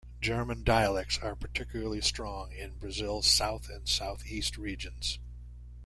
German dialects are particularly strong in Brazil's South and Southeast Regions.